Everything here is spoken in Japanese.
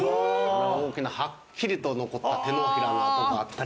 大きなはっきりと残った手のひらの跡があったりします。